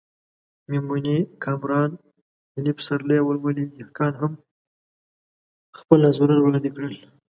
میمونې کامران، هیلې پسرلی او ولولې دهقان هم خپل نظرونه وړاندې کړل.